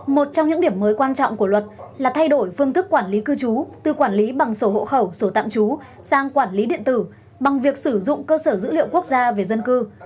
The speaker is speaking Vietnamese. một trong những điểm mới quan trọng của luật là thay đổi phương thức quản lý cư trú từ quản lý bằng sổ hộ khẩu sổ tạm trú sang quản lý điện tử bằng việc sử dụng cơ sở dữ liệu quốc gia về dân cư